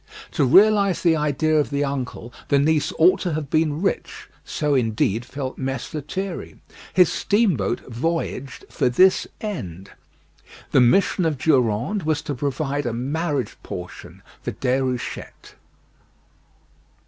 To realise the idea of the uncle, the niece ought to have been rich; so indeed felt Mess Lethierry. His steamboat voyaged for this end. The mission of Durande was to provide a marriage portion for Déruchette.